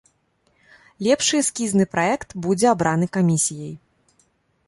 Лепшы эскізны праект будзе абраны камісіяй.